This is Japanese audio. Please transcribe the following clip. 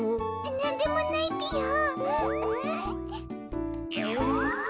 なんでもないぴよ。え。